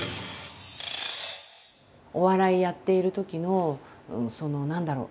お笑いやっているときのその何だろう